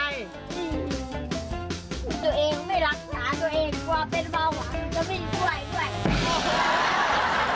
ตัวเองไม่รักษาตัวเองความเป็นเปล่าหวานจะเป็นกว่ายด้วย